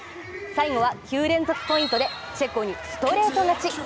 最後は９連続ポイントでチェコにストレート勝ち。